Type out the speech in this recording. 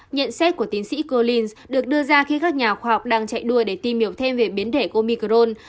nhận xét của tiến sĩ collins được đưa ra khi các nhà khoa học đang chạy đua để tìm hiểu thêm về biến thể comicron